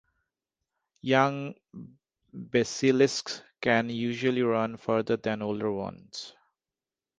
Young basilisks can usually run farther than older ones.